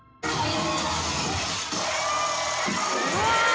うわ！